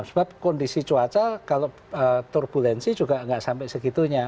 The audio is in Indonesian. sebab kondisi cuaca kalau turbulensi juga nggak sampai segitunya